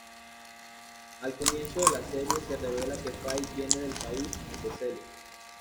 Al comienzo de la serie, se revela que Fye viene del país de Celes.